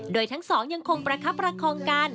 โดยทั้งสองยังคงประคับประคองกัน